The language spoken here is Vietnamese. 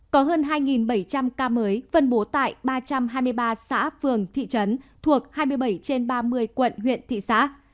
có hơn hai bảy trăm linh ca mới phân bố tại ba trăm hai mươi ba xã phường thị trấn thuộc hai mươi bảy trên ba mươi quận huyện thị xã